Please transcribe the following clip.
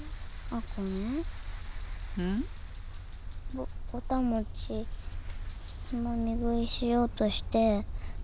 ぼぼた餅つまみ食いしようとして。